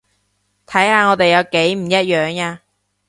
睇下我哋有幾唔一樣呀